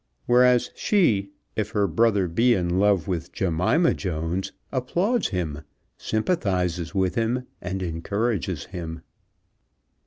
Whereas she, if her brother be in love with Jemima Jones, applauds him, sympathizes with him, and encourages him.